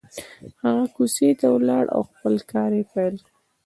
هغه کوڅې ته ولاړ او خپل کار يې پيل کړ.